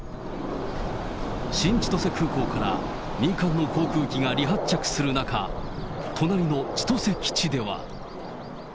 新千歳空港から民間の航空機が離発着する中、隣の千歳基地では。